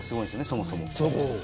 そもそも。